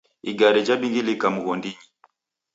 Igare jhabingilika mghondinyi